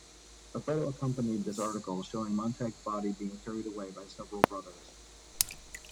A photo accompanied this article, showing Montag's body being carried away by several brothers.